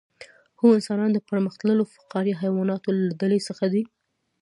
هو انسانان د پرمختللو فقاریه حیواناتو له ډلې څخه دي